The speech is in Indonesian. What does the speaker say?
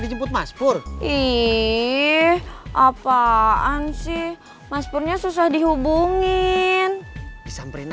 dijemput mas pur ih apaan sih mas purnya susah dihubungin disamperin aja